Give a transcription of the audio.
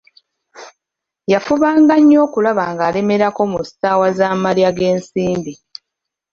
Yafubanga nnyo okulaba ng'alembalembako mu ssaawa za malya g'ebyemisana.